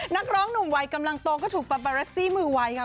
นักร้องหนุ่มวัยกำลังโตก็ถูกปาบาเรซี่มือไวค่ะ